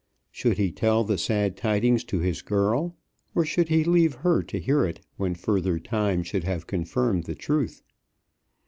Should he tell the sad tidings to his girl, or should he leave her to hear it when further time should have confirmed the truth.